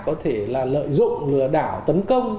có thể là lợi dụng lừa đảo tấn công